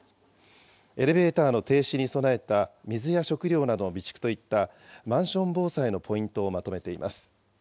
エレベーターの停止に備えた水や食料などの備蓄といった、マンション防災のポイントをまとめています。